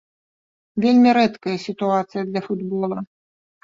Вельмі рэдкая сітуацыя для футбола.